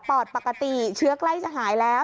อดปกติเชื้อใกล้จะหายแล้ว